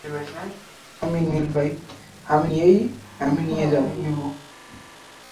আমিই নিয়ে নেবো।